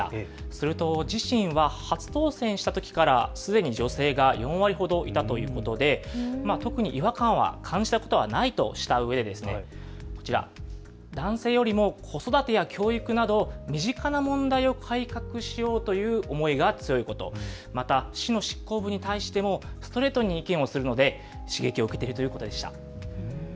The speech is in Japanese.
すると自身は初当選したときからすでに女性が４割ほどいたということで特に違和感は感じたことはないとしたうえで、こちら男性よりも子育てや教育など身近な問題を改革しようという思いが強いこと、また市の執行部に対してもストレートに意見をするので刺激を受けているということでした。